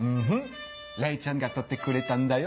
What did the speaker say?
レイちゃんが撮ってくれたんだよ。